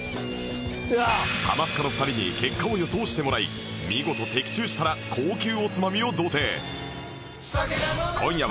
ハマスカの２人に結果を予想してもらい見事的中したら高級おつまみを贈呈